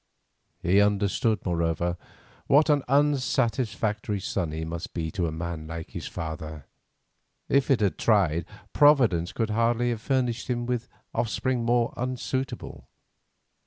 He understood, moreover, what an unsatisfactory son he must be to a man like his father—if it had tried, Providence could hardly have furnished him with offspring more unsuitable.